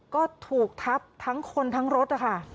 ก็ถูกทับทั้งคนทั้งรถนะคะ